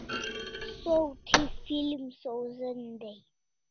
Saw thi film sawzen dai